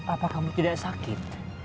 apa kamu tidak sakit